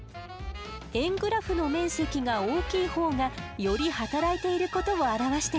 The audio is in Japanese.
円グラフの面積が大きいほうがより働いていることを表しているの。